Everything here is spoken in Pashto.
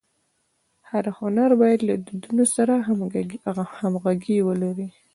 هر هنر باید له دودونو سره همږغي ولري.